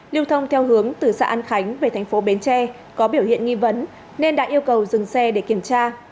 lưu thông theo hướng từ xã an khánh về thành phố bến tre có biểu hiện nghi vấn nên đã yêu cầu dừng xe để kiểm tra